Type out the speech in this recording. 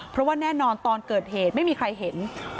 เพราะว่าแน่นอนตอนเกิดเหตุไม่มีใครเห็นเขาอยู่กัน๒คนสามีภรรยา